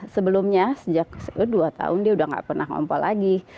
sebelumnya sejak dua tahun dia udah gak pernah ngompol lagi